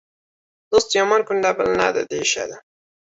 Do‘st yomon kunda bilinadi, deyishadi.